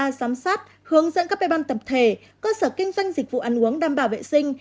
kiểm soát hướng dẫn các bài ban tập thể cơ sở kinh doanh dịch vụ ăn uống đảm bảo vệ sinh